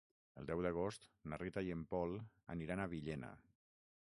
El deu d'agost na Rita i en Pol aniran a Villena.